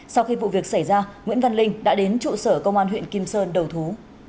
sau khi vụ việc xảy ra nguyễn văn linh đã đến trụ sở công an huyện kim sơn đầu thú